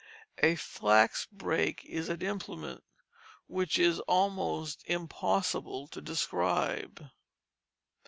A flax brake is an implement which is almost impossible to describe.